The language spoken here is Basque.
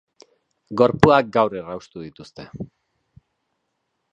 Gorpuak gaur erraustu dituzte.